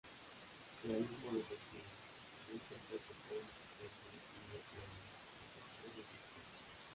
Realismo Defensivo: en este enfoque cobra importancia el equilibrio como balanza Ofensiva-Defensiva.